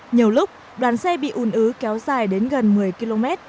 nhiều lúc đoàn xe bị ùn ứ kéo dài đến gần một mươi km